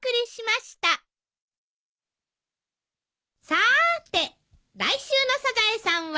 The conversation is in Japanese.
さーて来週の『サザエさん』は？